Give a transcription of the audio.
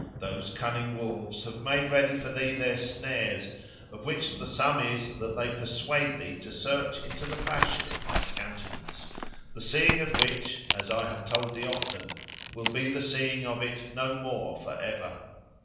Those cunning wolves have made ready for thee their snares, of which the sum is that they persuade thee to search into the fashion of my countenance, the seeing of which, as I have told thee often, will be the seeing of it no more for ever.